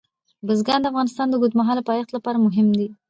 بزګان د افغانستان د اوږدمهاله پایښت لپاره مهم دي.